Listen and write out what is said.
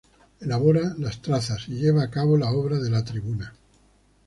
Elabora las trazas y lleva a cabo la obra de la tribuna.